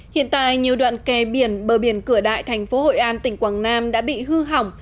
hiện tại nhiều đoạn kè biển bờ biển cửa đại thành phố hội an tỉnh quảng nam đã bị hư hỏng